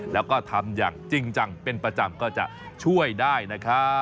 แล้วก็ทำอย่างจริงจังเป็นประจำก็จะช่วยได้นะครับ